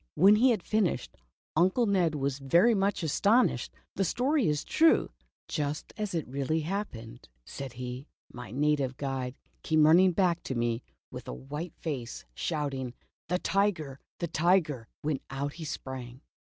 When he had finished. Uncle Ned was very much astonished. "The story is true, just as it really happened," said he. " My native guide came running back to me with a white face, shouting ' the tiger, the tiger !' when out he sprang.